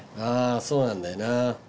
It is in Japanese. あぁそうなんだよな。